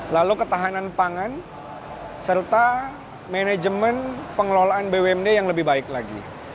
lalu ketahanan pangan serta manajemen pengelolaan bumd yang lebih baik lagi